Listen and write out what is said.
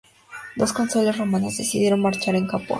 Los cónsules romanos decidieron marchar en Capua.